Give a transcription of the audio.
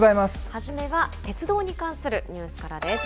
はじめは鉄道に関するニュースからです。